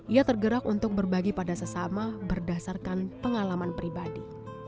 ia tergerak untuk berbagi pada sesama berdasarkan pengalaman pribadi